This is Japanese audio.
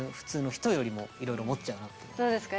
どうですか？